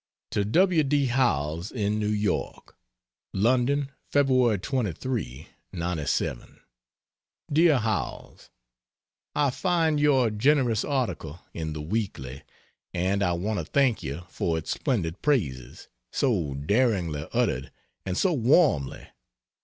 To W. D. Howells, in New York LONDON, Feb. 23, '97. DEAR HOWELLS, I find your generous article in the Weekly, and I want to thank you for its splendid praises, so daringly uttered and so warmly.